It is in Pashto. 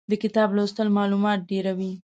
د کتاب لوستل مالومات ډېروي.